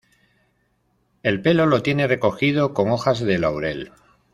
El pelo lo tiene recogido con hojas de laurel.